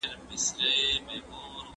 د څيړني پایله باید په منطق ولاړه وي.